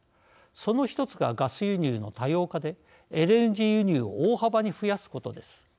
その１つがガス輸入の多様化でＬＮＧ輸入を大幅に増やすことです。